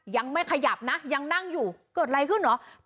ยังไม่ขยับนะยังนั่งอยู่เกิดอะไรขึ้นเหรอ